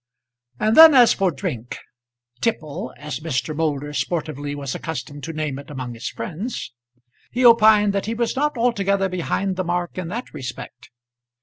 And then, as for drink, "tipple," as Mr. Moulder sportively was accustomed to name it among his friends, he opined that he was not altogether behind the mark in that respect.